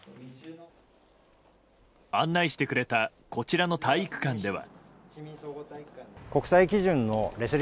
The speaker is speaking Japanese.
案内してくれたこちらの体育館では。